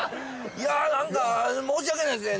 いや何か申し訳ないですね